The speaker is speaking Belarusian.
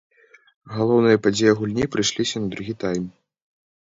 Галоўныя падзеі гульні прыйшліся на другі тайм.